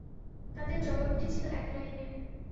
তাদের জবাবটি ছিল এক লাইনের।